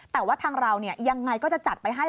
แต่ว่าทางเรายังไงก็จะจัดไปให้